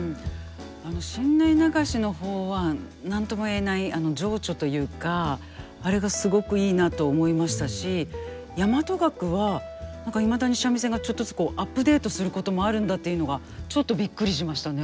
あの新内流しの方は何とも言えない情緒というかあれがすごくいいなと思いましたし大和楽はいまだに三味線がちょっとずつアップデートすることもあるんだというのがちょっとびっくりしましたね。